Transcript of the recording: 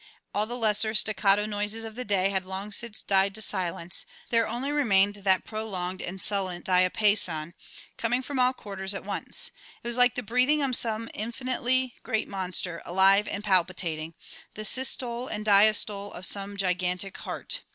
All the lesser staccato noises of the day had long since died to silence; there only remained that prolonged and sullen diapason, coming from all quarters at once. It was like the breathing of some infinitely great monster, alive and palpitating, the sistole and diastole of some gigantic heart.